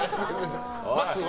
まっすーは？